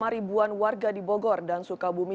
ribuan warga di bogor dan sukabumi